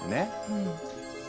うん。